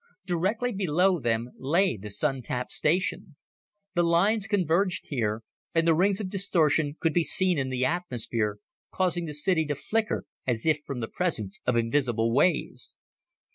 Directly below them lay the Sun tap station. The lines converged here, and the rings of distortion could be seen in the atmosphere, causing the city to flicker as if from the presence of invisible waves.